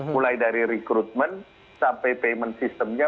mulai dari recruitment sampai payment systemnya